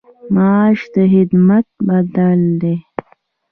معاش د خدمت بدل دی